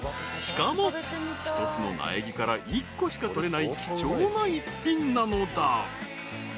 ［しかも１つの苗木から１個しか取れない貴重な一品なのだ］